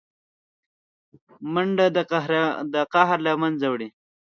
منډه د قهر له منځه وړي